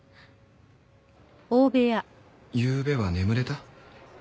ゆうべは眠れた？